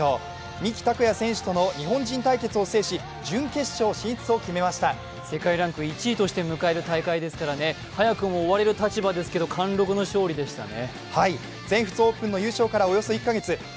三木拓也選手との日本人対決を制し世界ランク１位として迎える大会ですからね早くも追われる立場ですけど、貫禄の勝利でしたね。